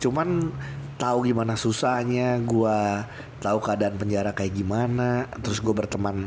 cuman tahu gimana susahnya gue tahu keadaan penjara kayak gimana terus gue berteman